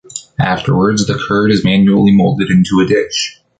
Afterwards, the curd is manually molded into a dish.